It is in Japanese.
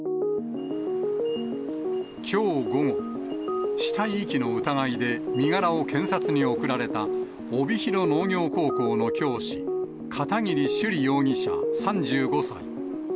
きょう午後、死体遺棄の疑いで身柄を検察に送られた、帯広農業高校の教師、片桐朱璃容疑者３５歳。